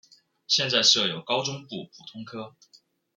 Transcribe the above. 现在设有高中部普通科。